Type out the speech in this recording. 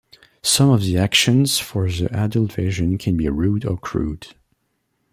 Some of the actions for the adult version can be rude or crude.